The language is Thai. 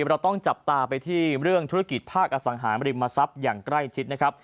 เราต้องจับตาไปที่เรื่องธุรกิจภาคอสังหาริมทรัพย์อย่างใกล้ชิดนะครับ